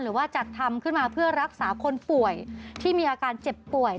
หรือว่าจัดทำขึ้นมาเพื่อรักษาคนป่วยที่มีอาการเจ็บป่วย